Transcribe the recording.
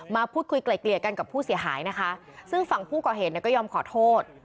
พูดคุยไกล่เกลี่ยกันกับผู้เสียหายนะคะซึ่งฝั่งผู้ก่อเหตุเนี่ยก็ยอมขอโทษ